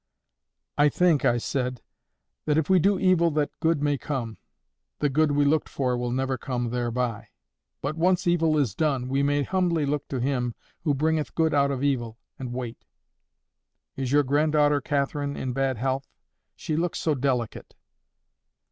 "I think," I said, "that if we do evil that good may come, the good we looked for will never come thereby. But once evil is done, we may humbly look to Him who bringeth good out of evil, and wait. Is your granddaughter Catherine in bad health? She looks so delicate!"